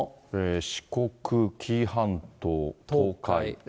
四国、紀伊半島、東海。